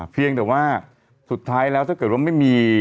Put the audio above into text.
เพียงแต่ว่าสุดท้ายแล้วถ้าเกิดว่าไม่มี